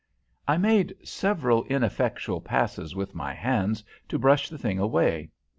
I made several ineffectual passes with my hands to brush the thing away.